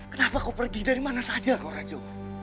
kenapa kau pergi dari mana saja kau rajo